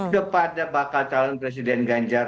kepada bakal calon presiden ganjar